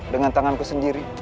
dengan tanganku sendiri